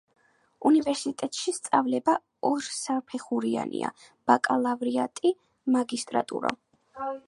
უნივერსიტეტში სწავლება ორსაფეხურიანია: ბაკალავრიატი, მაგისტრატურა.